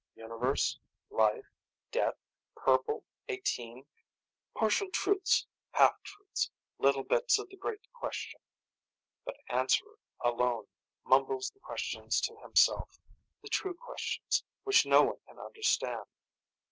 Universe? Life? Death? Purple? Eighteen? Partial truths, half truths, little bits of the great question. But Answerer, alone, mumbles the questions to himself, the true questions, which no one can understand.